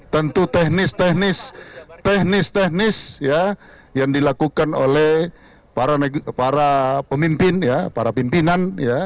tentu teknis teknis yang dilakukan oleh para pemimpin para pimpinan